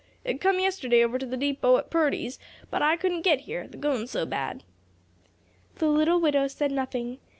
"It come yesterday over to the deepo at Purdy's, but I couldn't get here, th' goin's so bad." The little widow said nothing.